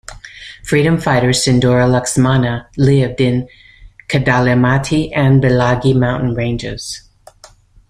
Freedom fighter Sindhoora Laxmana lived in Kadalimatti and Bilagi mountain ranges.